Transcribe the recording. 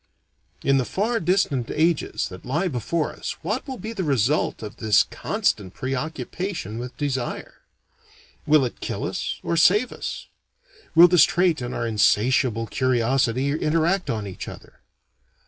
In the far distant ages that lie before us what will be the result of this constant preoccupation with desire? Will it kill us or save us? Will this trait and our insatiable curiosity interact on each other?